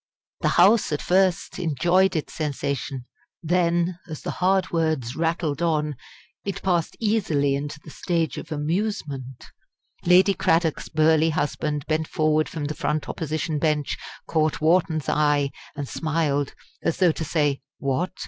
The House at first enjoyed its sensation. Then, as the hard words rattled on, it passed easily into the stage of amusement. Lady Cradock's burly husband bent forward from the front Opposition bench, caught Wharton's eye, and smiled, as though to say: "What!